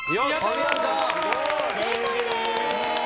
正解です。